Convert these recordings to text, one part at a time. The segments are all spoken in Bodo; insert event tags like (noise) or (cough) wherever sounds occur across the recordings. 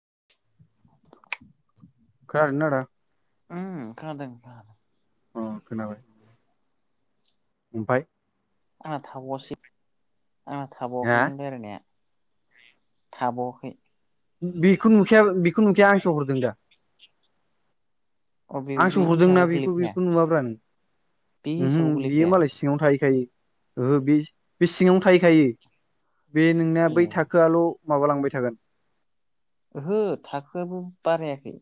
(unintelligible) खोनादोंना आदा? उम खानादों। अ खोनाबाय ओमफाय? आंना थाबावासै आंना हा थाबावाखै नों लायरायनाया। थाबावाखै। उम बेखौ नुखाया बेखौ नुखाया आं सो हरदों दा। अ बे बे आंसो हरदोंना हिसाबाव बेखौ गोलैफाया बेखौ नुवाब्रा बे नों उमहो हिसाबाव बियो गोलैफाया मालाय सिङाव थाहै खायो ओहो बिस बे सिङावनो थाहैखायो बे नोंनिया ए बै थाखोआल' माबालांबाय थागोन ओहो थाखोआबो बारायाखै।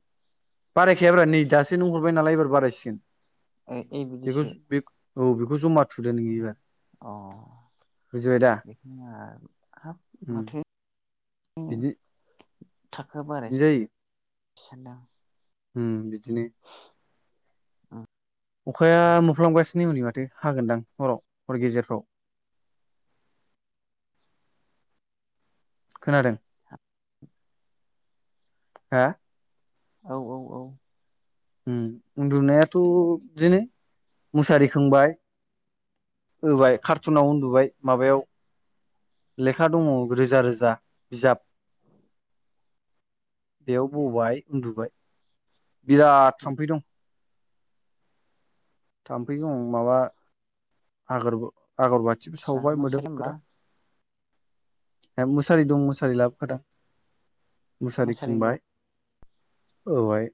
बारायखायाब्रा नै दासो नों हरबाय नालाय एबार बारायसिगोन। ओ ए बेखौ बिदिसो। बे औ बेखौ जमा थुदो नों इबार। अ बेखौनो आहा हाब माथो (unintelligible) जि इदिनो जायो। सानदां उम बिदिनो। अखाया मोफ्लामगासिनो हनै माथो हागोनदां हराव हर गेजेरफ्राव (inaudible) खोनादों हा औ औ औ उम उन्दुनायाथ' बिदिनो मुसारि खोंबाय होबाय कारटुनाव उन्दुबाय माबायाव लेखा दङ रोजा रोजा बिजाब। बेयाव ब'बाय उन्दुबाय बिराद थामफै दं थामफै दं माबा आगोरबो आगरबाथिबो आदसा सावबाय मोसारि होमबा मोदोमगोरा। एम मुसारि दं मुसारि लाबोखादों। मुसारि मोसारि गैया खोंबाय औहाय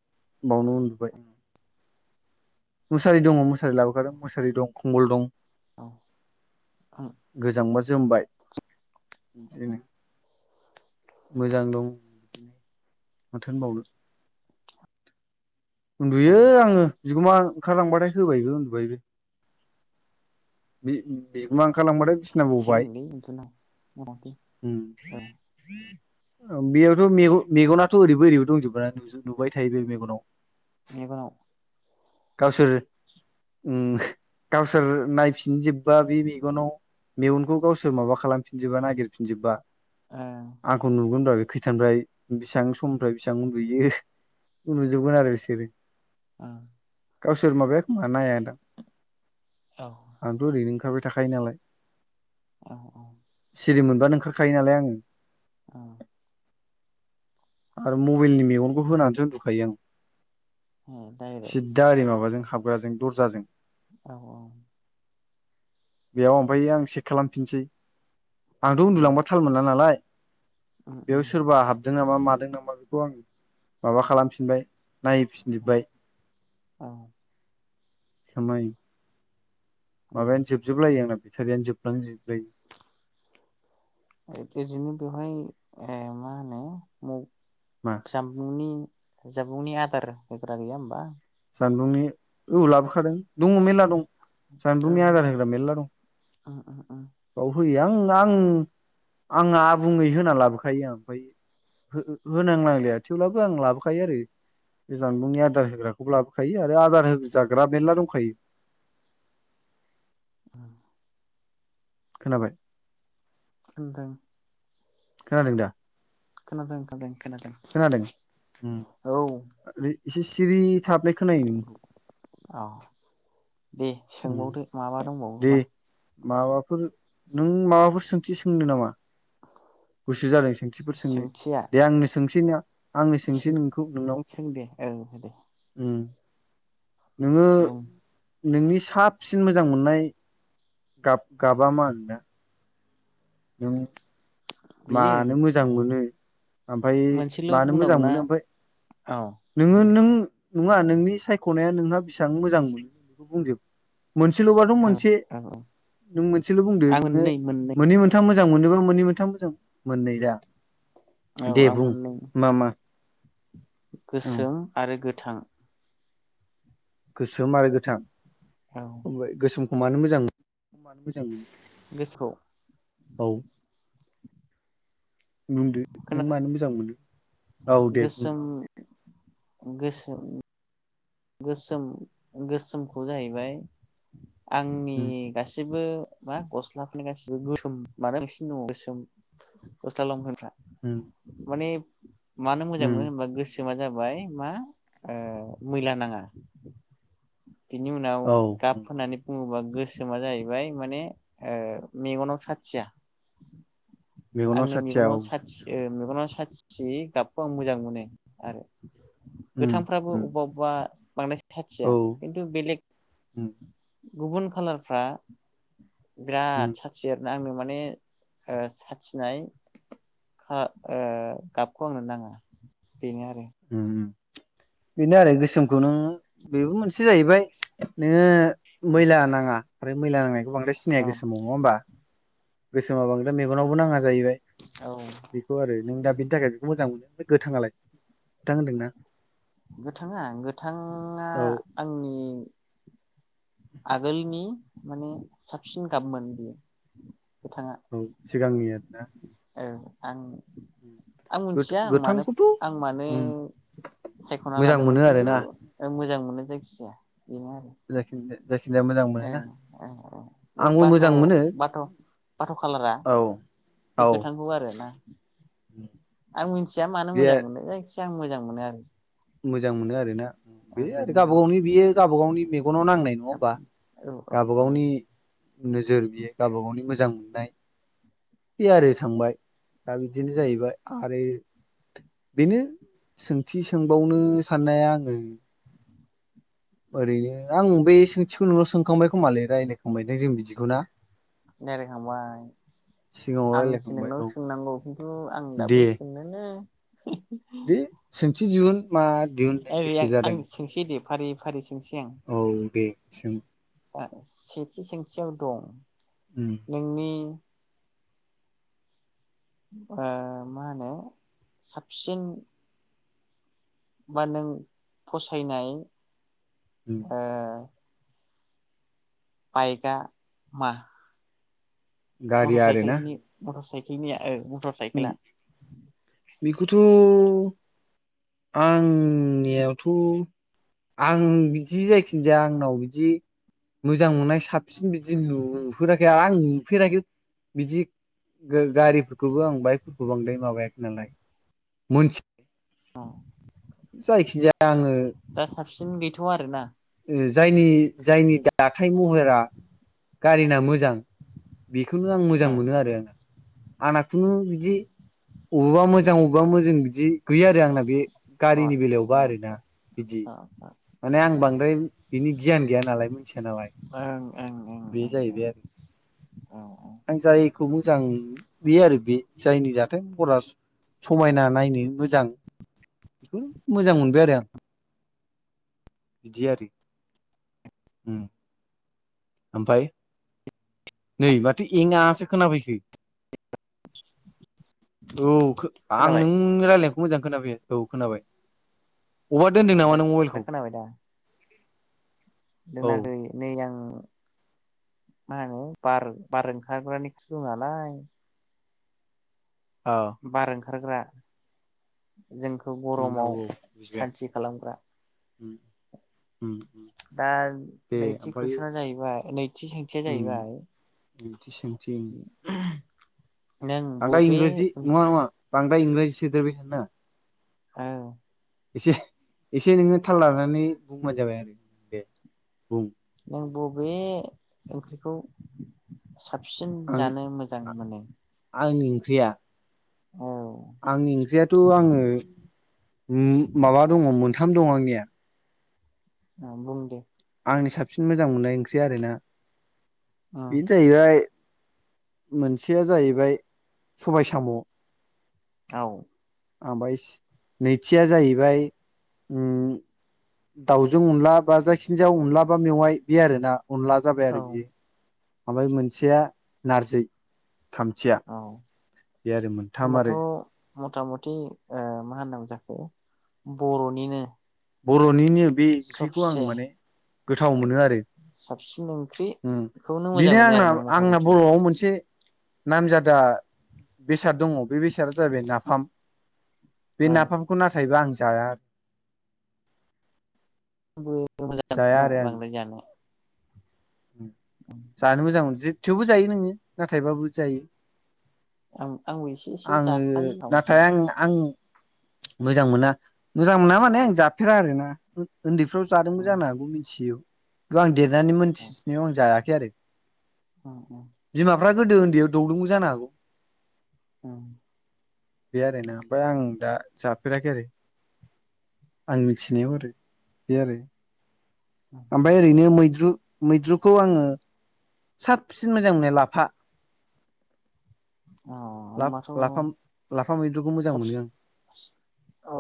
बावनो उन्दुबाय। मुसारि दङ मुसारि लाबोखादों मुसारि दं खमबल दं। औ उ गोजांबा जोमबाय बिदिनो। मोजां दं माथो होनबावनो। औ उन्दुयो आङो बिगुमा ओंखारलांबाथाय होबायबो उन्दुबायबो बि बिगुमा ओंखारलांबाथाय सिना ब'बाय थिगलै बिदिनो मथा मथि उम औ ओम बेयावथ' मेग' मेगनाथ' ओरैबो ओरैबो दंजोबा नुजो नुबाय थायो बे मेगनाव। मेगनाव गावसोर उम गावसोर नायफिनजोबबा बे मेगनाव मेगनखौ गावसोर माबा खालामफिनजोबा नागिरफिनजोबबा ओं आंखौ नुगोनब्रा बे खैथानिफ्राय बेसेबां समनिफ्राय बेसिबां उन्दुयो नुजोबगोन आरो बिसोरो। ओ गावसोर माबाया खोमा नायादां औ आंथ' ओरैनो थाबाय थाखायो नालाय औ औ (unintelligible) ओंखारखायो नालाय आङो आ आरो मबाइलनि मेगनखौ होनानैसो उन्द'खायो आं औ डाइरेक्ट सिद्दा ओरै माबाजों हाबग्राजों दर्जाजों औ औ बेयाव ओमफायो आं चेक खालामफिनसै आंथ' उम उन्दुलांबा थाल मोनला नालाय उम बेयाव उम सोरबा हाबदों नामा मादों नामा बेखौ आं माबा खालामफिनबाय नायफिनजोबबाय औ खामायो उम माबायानो जोबजोबलायो आंना बेटारियानो जोबलांजोबलायो (unintelligible) बेवहाय मा होनो (unintelligible) मा जामुंनि जबुंनि आदार होग्रा गैया होमबा सानदुंनि औ लाबोखादों दङ मेरला दं जानबुंनि आदार होग्रा मेरला दङ ओम ओम ओम बाव होयो आं आं आंना आबुङै होना लाबोखायो आं आमफाय होनांनांलिया थेवब्लाबो आं लाबोखायो आरो बे जानबुंनि आदार होग्राखौबो लाबोखायो आरो आदार होजाग्रा मेरला दंखायो (unintelligible) खोनाबाय नोंथां खोनादोंदा खोनादों खोनादों खोनादों औ ओम एसे सिरि थाबनाय खोनायो नोंनिखौ औ दे सोंबावदो माबा दे दंबावोबा माबाफोर नों माबाफोर सोंथि सोंनो नामा गुसु जादों सोंथिफोर सोंनो सोंथिया दे आंनो सों आंनो सोंसै सों नोंखौ नोंनाव सों दे औ दे ओमण नोङो बुं नोंनि साबसिन मोजां मोननाय गाब गाबा मा नोंना (unintelligible) बेयो मानो मोजां मोनो ओमफाय मोनसेल' मानो मोजां बुंनांगौना मोनो ओमफाय औ बुं नोङो दे नों नङा नोंनि सायख'नाया नोंहा बेसेबां मोजां मोनो बेखौ बुंजोब मोनसेल'बाथ' औ मोनसे औ औ नों मोनसेल' बुंदो आं नोङो मोननै मोननै मोनथाम मोजां मोनोबा मोननै मोनथाम मोजां मोननै दा औ दे आं बुं मोननै मा मा औ गोसोम आरो गोथां गोसो आरो गोथां औ आमफाय गोसोमखौ मानो मोजां मोनो गोसखौ औ बुंदो नों खोनादों मानो मोजां मोनो औ दे बुं गोसोम गोसोम गोसोम गोसोमखौ जाहैबाय आंनि उम गासैबो मा गस्लाफोरनि गासिबो गोसोम मानो बांसिनो दङ गोसोम गस्ला लंफेनफ्रा ओम माने मानो मोजां मोनो होनबा गोसो मा जाबाय मा मैला नाङा बिनि उनाव औ गाब उम होननानै बुङोबा गोसोमा जाहैबाय माने ओ मेगनाव साथिया मेगनाव आंनो साथिया मेगनाव औ साथस ओ मेगनाव सासियि गाबखौ आं मोजां मोनो आरो उम गोथांफ्राबो उम अबबा अबबा बांद्राय थाथिया औ खिन्थु बेलेग उम गुबुन खाालारफ्रा बिराद उम साखथि आरो आंनो माने ओ सा थानाय खा ओ गाबखौ आंनो नाङा बेनो आरो उम उम बेनो आरो गोसोम खुनो बेबो मोनसे जाहैबाय नोङो मैला नाङा आरो मैला नांनाय बांद्राय सिनाया औ गोसोमाव नङा ओमबा गोसोमा बांद्राय मेगनावबो नाङा जाहैबाय औ बेखौ आरो नों दा बेनि थाखाय बेखौ मोजां मोनो गोथाङालाय थां होनदोंना गोथाङा गोथांङा औ आंनि आगोलनि माने साबसिन गाबमोन बियो गोथाङा औ सिगांनि आरनोना औ आं आं मोनथिया आं मानो गोथांखौथ' आं मानो उम सायख'ना मोजां लादोंमोन मोनो खिन्थु आरोना ओ मोजां मोनो जायखिजाया बेनो आरो जायखिनजा जायखिनजाया मोजां मोनोना ओं ओं ओं बै आंबो बाथ' मोजां मोनो बाथ' बाथ' खालारा औ बे औ गोथांखौ आरोना आं मिन्थिया मानो बे मोजां मोनो जायखिजाया आं मोजां मोनो आरो मोजां मोनो आरो ना बे आरो बेनो गावबा गावनि बेयो गाबा गावनि मेग गनाव नांनाय नङा ओम्बा औ औ गाबा औ गावनि नोजोर बियो गावबा गावनि मोजां मोननाय बे आरो थांबाय दा बिदिनो जाहैबाय आरो बेनो सोंथिस सोंबावनो साननाया आङो ओरैनो आं बे सोंथिखौ नोंनाव सोंखांबाय खोमालै रायलायखांबाय दां जों बिदिखौ ना लायरायखांबाय सिगाङाव आंसो रायज्लायखांबाय नोंनाव औ सोंनांगौ खिन्थु आं दाबो दे सोंनोनो (unintelligible) दे सोंथि जिउन मा दिहुननो ओरै आं गोसो आं जादों सोंसै दे फारि फारि सोंसै आं औ दे सों (unintelligible) सेथि सोंथियाव दं उम नोंनि ओ मा होनो साबसिन बा नों फसायनाय उम ओ बायगा माह मथ'र गारिया आरोना साइखेलनि मथर साइखेलनिया ओ मथ'र उम साइकेला बेखौथ' आंनियावथ' आं बिदि जायखिन्जाया आंनाव बिदि मोजां मोननाय साबसिन बिदि नुफेराखै आं नुफेराखै बिदि गो गारिफोरखौबो आं बाइकफोरखौ बांद्राय माबायाखै नालाय मोनथि जायखिजाया आङो सिन गैथ'आ आरोना ओ जायनि जायनि दाथाय महोरा गारिना मोजां बेखौनो आं मोजां ओ मोनो आरो आङो आंना खुनु बिदि अबबा मोजां अबबा मोजिं बिदि गैया आरो आंना बे गारिनि आदसा बेलायावबा आरोना आदसा बिदि ओं ओं ने आं बांद्राय बिनि गियान गैया नालाय मिन्थिया नालाय ओं ओं बे ओं जाहैबाय आ औ औ (unintelligible) आं जायखौ मोजां बेयो आरो बे जायनि जाथाय फरास समायना नायनो मोजां हो मोजां मोनबाय आरो आं इदि आरो उम ओमफाय नै माथो एंङासो खोनाफैखो औ खो आं खोनाबाय नों रालाय (unintelligible) मोजां खोनाफैयाखै औ खोनाबाय अबबा दोनदों दा नामा नों दा मबाइलखौ खोनाबाय दा औ दोनाखै नै आं मा होनो बार बार ओंखारग्रानि खिथुनालाय औ बार ओंखारग्रा। जोंखौ गरमाव सान्थि खालामग्रा। उम। दा नैथि कुइसना जाहैबाय नैथि सोंथिया उम ओंथि सोंथि जाहैबाय। (unintelligible) नों बांद्राय बबे इंराजि नङा नङा बांद्रायर इंराजि सदोरबाय थानो नाङा। औ। एसे एसे नोङो थाल लानानै बुंबानो जाबाय आरो दे बुं। नों बबे ओंख्रिखौ साबसिन आं जानो मोजां मोनो? आंनि ओंख्रिया औ आंनि ओंख्रियाथ' आङो उम माबा दङ मोनथाम दङ आंनिया। ओ बुं दे। आंनि साबसिन मोजां मोननाय ओंख्रि आरो ना बेनो औ जाहैबाय मोनसेया जाहैबाय सबाय साम' औ। ओमफ्राय नैथिया जाहैबाय उम दाउजों अनला बा जायखिनिजाया अनला बा मेवाइ बे आरोना अनला जाबाय औ आरो बियो। ओमफ्राय मोनसेया नारजि। थामथिया औ बे आरो मोनथाम होमबाथ' आरो। मथा मथि ओ मा होननांगौ जाखो बर'निनो बर'निनो बे ओंख्रिखौ आं सबसे माने गोथाव मोनो आरो। साबसिन उम ओंख्रिखौनो मोजां बिनो मोनो आंना आरो नों मथा आंना मथि बर'आव मोनसे नामजादा बेसाद दङ बे बेसादा जाबाय नाफाम। बे औ आंबो नाफामखौ नाथायबा आं जाया आरो। बेबो मोजां जाया नङा आरो आं बांद्राय जानाया। जानो मोजां मोनोजे थेवबो जायो नोङो नाथायबाबो जायो। आं आंबो एसे एसे आङो जाखायो मथा मथि नाथाय आं आं। मोजां मोना मोजां मोना माने आं जाफेरा आरो ना। उन्दैफ्राव जादोंबो उम जानो हागौ मिथियैआव किन्तु आं देरनानै मोनथि हायाखै आरो। उम उम। बिमाफोरा गोदो उन्दैयाव दौदोंबो जानो हागौ। उम। बे आरोना ओमफ्राय आं दा जाफेराखै आरो। आं मिथिनायाव आरो बे आरो। उम ओमफ्राय उम ओरैनो मैद्रु मैद्रुखौ आङो साबसिन मोजां मोनो लाफा। अ लाफ होमबाथ' -लाफा-लाफा मैद्रुखौ मोजां मोनो आं। साबसिन अ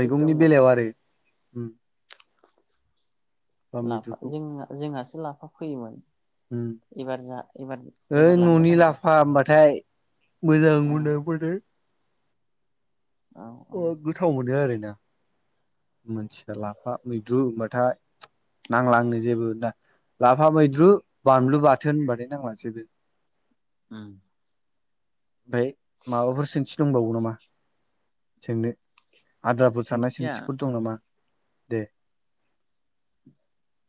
थिग दंबाथ' बेलायाव आरो उम। लाफा जोंना जोंहासो लाफा फैयोमोन उम एबार जा एबार ओइ एबार लांगोन न'नि आं र' लाफा होमबाथाय मोजां ओं मोननाया मोनो। औ औ अ गोथाव मोनो आरोना? मोनथिया लाफा मैद्रु होनबाथाय नांला आंनो जेबो। दा लाफा मैद्रु बानलु बाथोन होनबाथाय नांलासैबो। उम ओमफाय माबाफोर सोंथि दंबावो नामा सोंनो? आद्राफोर थानाय सोंथिया सोंथि। दं नामा दे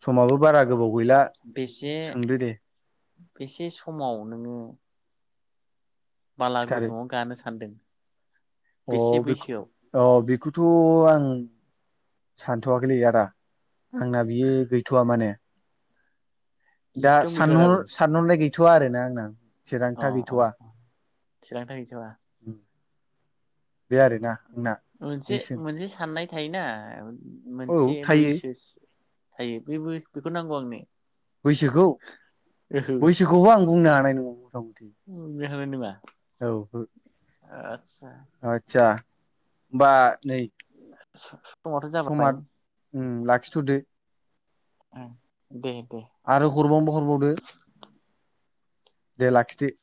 समाबो बारा गोबाव गैला सोंदो दे। एसे समाव नोङो बाला सिखारो गुदुंङाव गानो सान्दों अ बेख अ बेखौथ' आं सानथ'वाखैलै आदा आंना बियो गैथ'वा माने दा लिस्टआवनो गैथ'आ दाबो सानहर सानहरनाय गैथ'वा आरोना आंना अ थिरांथा अ गैथ'वा थिरांथा गैथ'आ बे आरोना आंना मोनसे नोंसिम मोनसे साननाय थायोना औ मोनसे थायो बैसोस थायो बेबो बेखौ नांगौ आंनो बैसोखौ ओहो बैसोखौबो आं बुंनो हानाय नं (unintelligible) (unintelligible) औ उम आदसा आतसा बा नै स समावथ' समा जाबाय उम लाखिथ'दो उम दे दे आरो हरबावनोबा हरबावदो दे लाखि दो